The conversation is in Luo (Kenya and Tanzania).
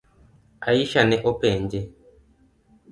Aisha ne openje.